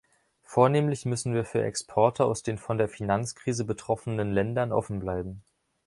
Vornehmlich müssen wir für Exporte aus den von der Finanzkrise betroffenen Ländern offen bleiben.